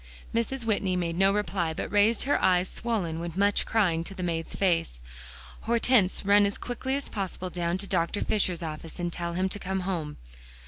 Mrs. Whitney made no reply, but raised her eyes swollen with much crying, to the maid's face. "Hortense, run as quickly as possible down to Dr. Fisher's office, and tell him to come home."